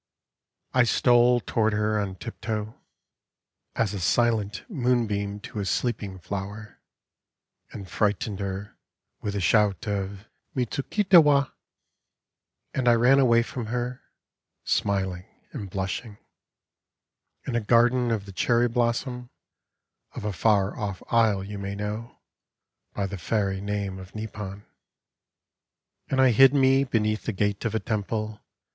I stole toward her on tiptoe. O Hana San r 43 As a silent moonbeam to a sleeping flower, And frightened her with a shout of ' Mitsuketa wa/* And I ran away from her, smiling and blushing, In a garden of the cherry blossom Of a far off isle you may know By the fairy name of Nippon. And I hid me beneath the gate of a temple.